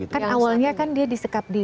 kan awalnya kan dia disekap di